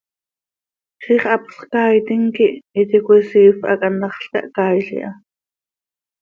Ziix hapsx caaitim quih íti cöisiifp hac hantaxl cahcaail iha.